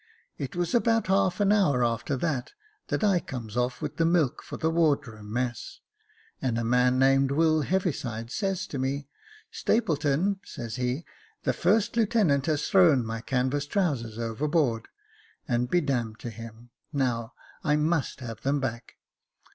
It was about half an hour after that, that I comes off with the milk for the wardroom mess, and a man named Will Heaviside says to me, ' Stapleton,' says he, ' the first lieutenant has thrown my canvas trousers overboard, and be d d to him ; now I must have them back.'